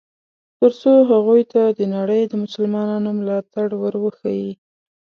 ترڅو هغوی ته د نړۍ د مسلمانانو ملاتړ ور وښیي.